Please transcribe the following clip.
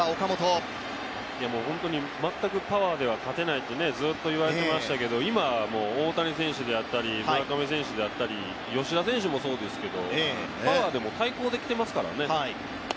全くパワーでは勝てないって、ずっと言われていましたけど、今はもう大谷選手であったり村上選手であったり吉田選手もそうですけど、パワーでも対抗できていますからね。